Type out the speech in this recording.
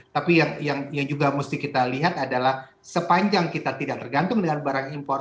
tapi yang juga mesti kita lihat adalah sepanjang kita tidak tergantung dengan barang impor